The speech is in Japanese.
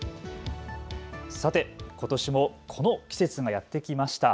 さて、ことしもこの季節がやってきました。